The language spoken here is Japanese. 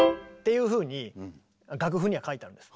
いうふうに楽譜には書いてあるんです。